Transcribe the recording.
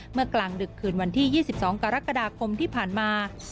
กลางดึกคืนวันที่๒๒กรกฎาคมที่ผ่านมา